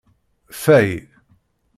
Ffay.